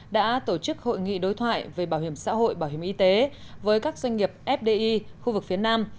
đã tổ chức hội nghị đối thoại về bảo hiểm xã hội bảo hiểm y tế với các doanh nghiệp fdi khu vực phía nam